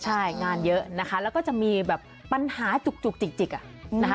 ใช่งานเยอะนะคะแล้วก็จะมีปัญหาจุกจิกอะ